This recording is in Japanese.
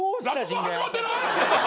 落語始まってない！？